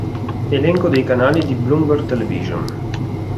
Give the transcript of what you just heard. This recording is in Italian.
Elenco dei canali di Bloomberg Television.